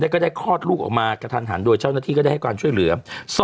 ก็ได้คลอดลูกออกมากระทันหันโดยเจ้าหน้าที่ก็ได้ให้ความช่วยเหลือ